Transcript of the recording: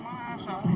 kalau saya yakin